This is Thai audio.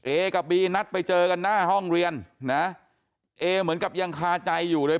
เอกับบีนัดไปเจอกันหน้าห้องเรียนนะเอเหมือนกับยังคาใจอยู่เลย